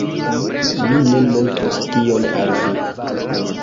Mi ne montros tion al vi